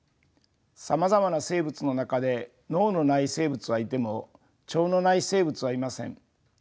さまざまな生物の中で脳のない生物はいても腸のない生物はいません。